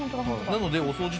なのでお掃除